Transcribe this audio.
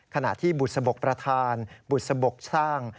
ขณะที่บุษบกประธานบุษบกสร้าง